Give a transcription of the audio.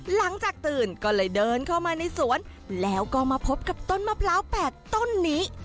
หลังจากตื่นก็เลยเดินเข้ามาในสวนแล้วก็มาพบกับต้นมะพร้าวแปดต้นนี้